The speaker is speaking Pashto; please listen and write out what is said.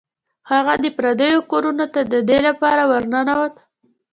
هغه د پردیو کورونو ته د دې کار لپاره ورنوت.